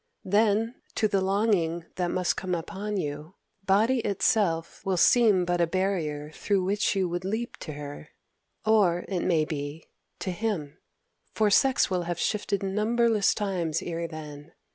Then, to the longing that must come upon you, body itself will seem but a barrier through which you would leap to her or, it may be, to him; for sex will have shifted numberless times ere then.